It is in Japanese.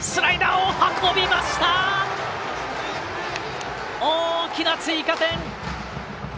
大きな追加点！